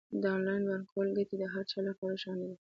د انلاین بانکوالۍ ګټې د هر چا لپاره روښانه دي.